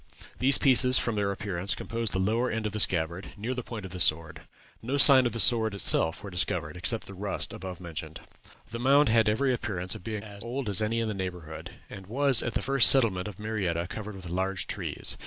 These pieces, from their appearance, composed the lower end of the scabbard, near the point of the sword. No signs of the sword itself were discovered, except the rust above mentioned. "The mound had every appearance of being as old as any in the neighborhood, and was at the first settlement of Marietta covered with large trees.